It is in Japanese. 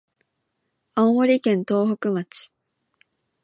青森県東北町